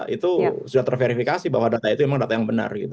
itu sudah terverifikasi bahwa data itu memang data yang benar gitu